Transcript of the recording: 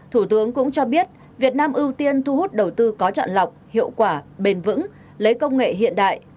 thủ tướng cũng cho biết việt nam ưu tiên thu hút đầu tư có chọn lọc hiệu quả bền vững lấy công nghệ hiện đại